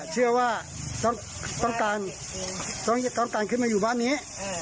เชื่อว่าต้องการต้องการขึ้นมาอยู่บ้านนี้